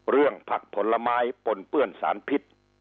เรื่องผักผลไม้ปนเปื้อนสารพิษ